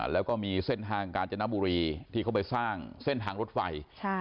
แล้วก็มีเส้นทางกาญจนบุรีที่เขาไปสร้างเส้นทางรถไฟ